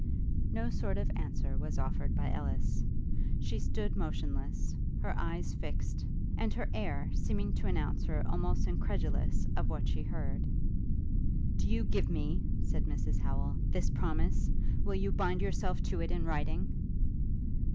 No sort of answer was offered by Ellis. She stood motionless, her eyes fixed, and her air seeming to announce her almost incredulous of what she heard. 'Do you give me,' said Mrs Howel, 'this promise? Will you bind yourself to it in writing?'